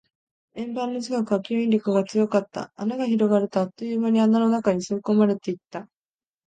円盤の近くは吸引力が強かった。穴が広がると、あっという間に穴の中に吸い込まれていった。